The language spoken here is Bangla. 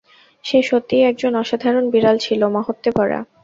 সে সত্যিই একজন অসাধারণ বিড়াল ছিল, মহত্ত্বে ভরা।